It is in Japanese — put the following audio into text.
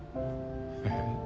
えっ。